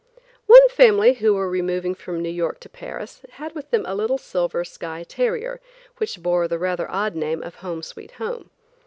One family who were removing from New York to Paris, had with them a little silver skye terrier, which bore the rather odd name of "Home, Sweet Home."